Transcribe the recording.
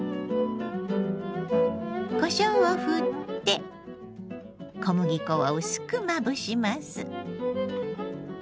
こしょうをふって小麦粉を薄くまぶします。